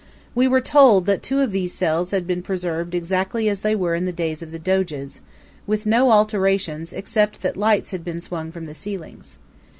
We were told that two of these cells had been preserved exactly as they were in the days of the Doges, with no alteration except that lights had been swung from the ceilings.